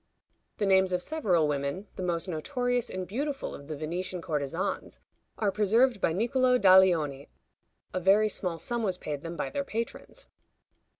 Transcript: The names of several women, the most notorious and beautiful of the Venetian courtesans, are preserved by Nicolo Daglioni. A very small sum was paid them by their patrons.